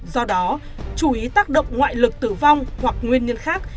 do đó chú ý tác động ngoại lực tử vong hoặc nguyên nhân khác